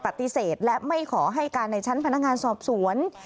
ปฏิเสธและไม่ขอให้การในชั้นพนักงานสอบสวน